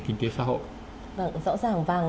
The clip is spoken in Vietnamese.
kinh tế xã hội vâng rõ ràng vàng